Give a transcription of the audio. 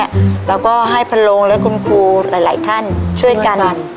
เราก็ให้พันโรงและคุณครูหลายท่านช่วยกัน